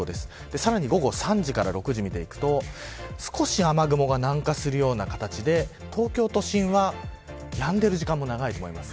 さらに、午後３時から６時を見ていくと少し雨雲が南下するような形で東京都心はやんでいる時間も長いと思います。